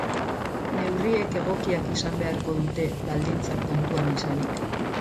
Neurriak egokiak izan beharko dira, baldintzak kontuan izanik.